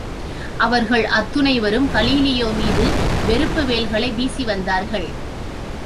அவர்கள் அத்துணைவரும் கலீலியோ மீது வெறுப்பு வேல்களை வீசி வந்தார்கள்.